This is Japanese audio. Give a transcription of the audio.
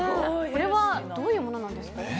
これはどういうものなんですか。